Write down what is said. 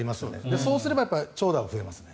そうすれば長打が増えますね。